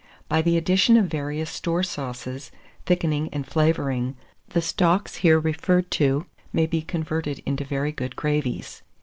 By the addition of various store sauces, thickening and flavouring, the stocks here referred to may be converted into very good gravies.